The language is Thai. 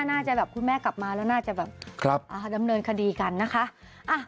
น่าจะแบบคุณแม่กลับมาแล้วน่าจะแบบดำเนินคดีกันนะคะ